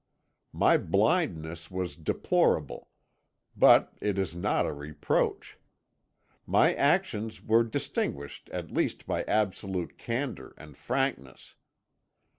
My blindness was deplorable, but it is not a reproach. My actions were distinguished at least by absolute candour and frankness.